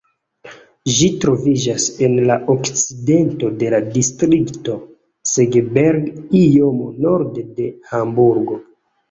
Ĝi troviĝas en la okcidento de la distrikto Segeberg, iom norde de Hamburgo.